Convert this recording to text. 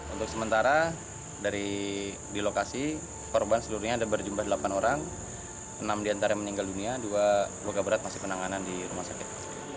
untuk sementara di lokasi korban seluruhnya ada berjumlah delapan orang enam diantara meninggal dunia dua berat masih penanganan di rumah sakit